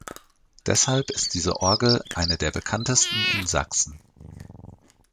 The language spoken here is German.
Deshalb ist diese Orgel eine der bekanntesten in Sachsen.